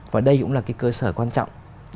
và đây cũng là cơ sở quan trọng